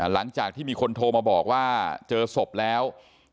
หลังจากที่มีคนโทรมาบอกว่าเจอศพแล้ว